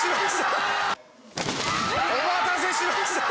お待たせしました！